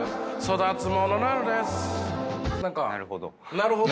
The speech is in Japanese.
なるほど。